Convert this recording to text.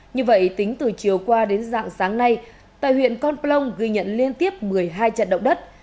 như vậy tính từ chiều qua đến dạng sáng nay tại huyện con plong ghi nhận liên tiếp một mươi hai trận động đất